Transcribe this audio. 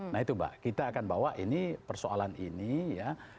nah itu mbak kita akan bawa ini persoalan ini ya